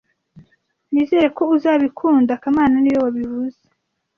Nizere ko uzabikunda kamana niwe wabivuze